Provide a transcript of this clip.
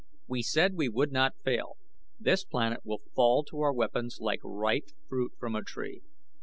"We said we would not fail. This planet will fall to our weapons like ripe fruit from a tree."